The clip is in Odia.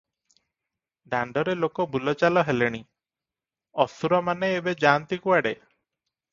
ଦାଣ୍ତରେ ଲୋକ ବୁଲ ଚାଲ ହେଲେଣି, ଅସୁରମାନେ ଏବେ ଯାଆନ୍ତି କୁଆଡେ?